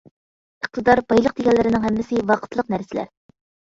ئىقتىدار، بايلىق دېگەنلەرنىڭ ھەممىسى ۋاقىتلىق نەرسىلەر.